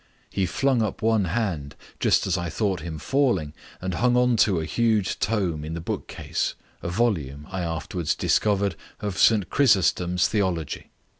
He flung up one hand just as I thought him falling and hung on to a huge tome in the bookcase, a volume, I afterwards discovered, of St Chrysostom's theology.